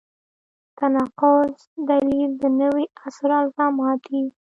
تناقض دلیل د نوي عصر الزامات دي.